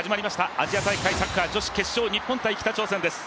アジア大会女子サッカー決勝、日本×北朝鮮です。